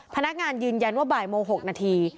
พนักงานยืนยันว่าบ่ายโมง๖นาที